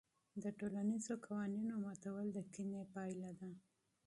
د ټولنیزو قوانینو ماتول د کینې پایله ده.